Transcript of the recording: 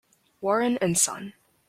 Warren and Son.